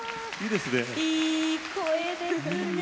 いい声ですね。